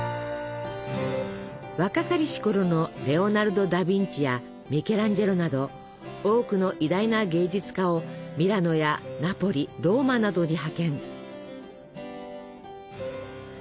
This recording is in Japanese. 若かりしころのレオナルド・ダ・ヴィンチやミケランジェロなど多くの偉大な芸術家をミラノやナポリローマなどに派遣。